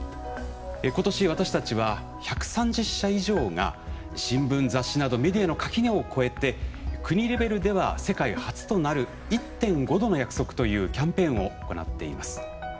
今年私たちは１３０社以上が新聞雑誌などメディアの垣根を越えて国レベルでは世界初となる「１．５℃の約束」というキャンペーンを行っています。